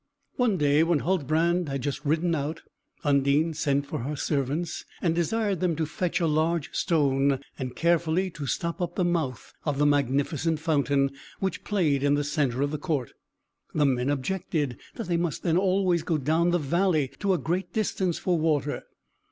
One day, when Huldbrand had just ridden out, Undine sent for her servants and desired them to fetch a large stone and carefully to stop up the mouth of the magnificent fountain, which played in the centre of the court. The men objected, that they must then always go down the valley to a great distance for water.